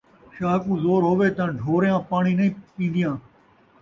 شاہ کوں زور ہووے تاں ڈھوریاں پاݨی نئیں پین٘دیاں